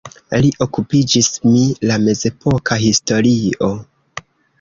Li okupiĝis mi la mezepoka historio.